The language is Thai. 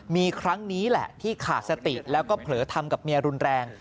มีครั้งนี้แหละที่ขาดสติแล้วก็เผลอทำกับเมียรุนแรง